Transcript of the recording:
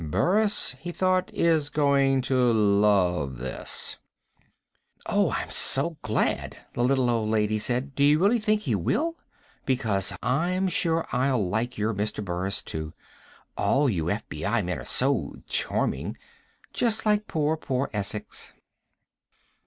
Burris, he thought, is going to love this. "Oh, I'm so glad," the little old lady said. "Do you really think he will? Because I'm sure I'll like your Mr. Burris, too. All of you FBI men are so charming. Just like poor, poor Essex."